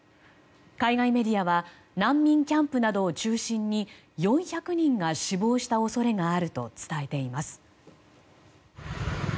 海外メディアは難民キャンプなどを中心に４００人が死亡した恐れがあると伝えています。